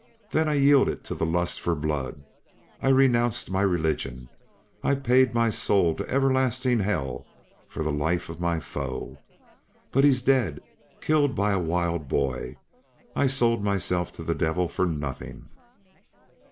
Then I yielded to the lust for blood. I renounced my religion. I paid my soul to everlasting hell for the life of my foe. But he's dead! Killed by a wild boy! I sold myself to the devil for nothing!"